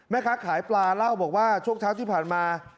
แม่ค้าขายปลาเล่าบอกว่าช่วงเช้าที่ผ่านมา